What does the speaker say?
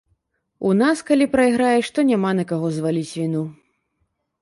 У нас калі прайграеш, то няма на каго зваліць віну.